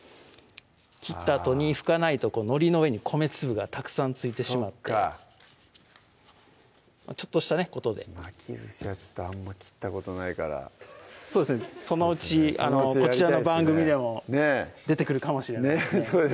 切ったあとに拭かないとのりの上に米粒がたくさん付いてしまってちょっとしたことで巻きずしはちょっとあんま切ったことないからそのうちこちらの番組でもねぇ出てくるかもしれないですね